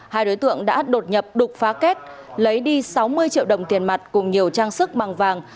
hai đối tượng đã đột nhập đục phá kết lấy đi sáu mươi triệu đồng tiền mặt cùng nhiều trang sức bằng vàng